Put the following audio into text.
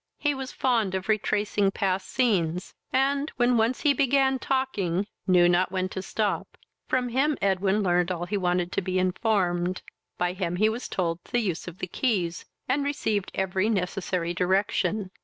He was fond of retracing past scenes, and, when once he began talking, knew not when to stop. From him Edwin learned all he wanted to be informed; by him he was told the use of the keys, and received every necessary direction.